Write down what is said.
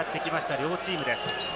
両チームです。